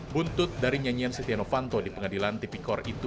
buntut dari nyanyian setia novanto di pengadilan tipikor itu